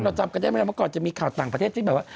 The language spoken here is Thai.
จำกันได้ไหมล่ะเมื่อก่อนจะมีข่าวต่างประเทศที่แบบว่า